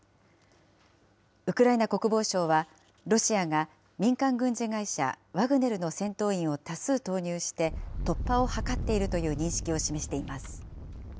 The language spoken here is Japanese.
ウクライナ国防省は、ロシアが民間軍事会社、ワグネルの戦闘員を多数投入して、突破を図っているという認識を示しています。